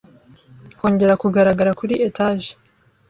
kongera kugaragara kuri etage.